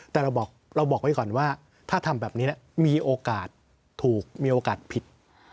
แต่เราบอกไว้ก่อนว่าถ้าทำแบบนี้มีโอกาสถูกมีโอกาสผิด